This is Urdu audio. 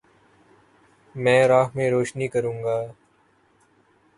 میں راہ میں روشنی کرونگا